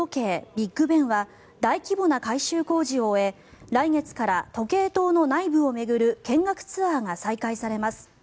ビッグ・ベンは大規模な改修工事を終え来月から、時計塔の内部を巡る見学ツアーが再開されます。